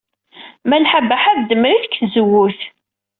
Malḥa Baḥa tdemmer-it seg tzewwut.